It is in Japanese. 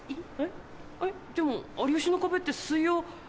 えっでも『有吉の壁』って。